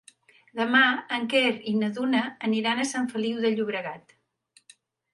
Demà en Quer i na Duna aniran a Sant Feliu de Llobregat.